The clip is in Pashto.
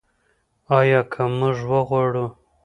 آیا که موږ وغواړو؟